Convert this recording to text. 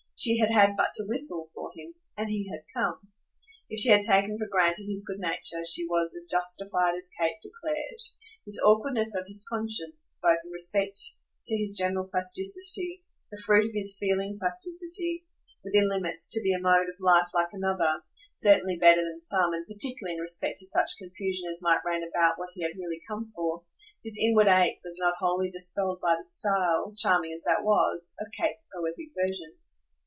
She had had but to whistle for him and he had come. If she had taken for granted his good nature she was as justified as Kate declared. This awkwardness of his conscience, both in respect to his general plasticity, the fruit of his feeling plasticity, within limits, to be a mode of life like another certainly better than some, and particularly in respect to such confusion as might reign about what he had really come for this inward ache was not wholly dispelled by the style, charming as that was, of Kate's poetic versions.